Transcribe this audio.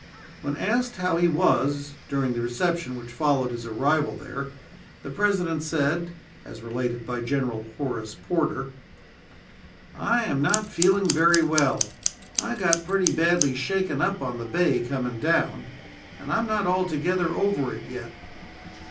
When asked how he was, during the reception which followed his arrival there, the President said, as related by General Horace Porter: "'I am not feeling very well. I got pretty badly shaken up on the bay coming down, and am not altogether over it yet.'